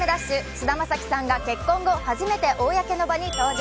菅田将暉さんが結婚後、初めて公の場に登場。